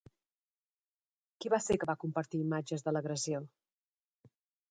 Qui va ser que va compartir imatges de l'agressió?